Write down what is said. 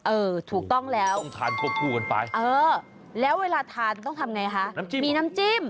เออถูกต้องแล้วเออแล้วเวลาทานต้องทำอย่างไรคะมีน้ำจิ้ม